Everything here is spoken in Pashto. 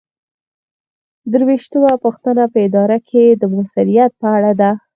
درویشتمه پوښتنه په اداره کې د مؤثریت په اړه ده.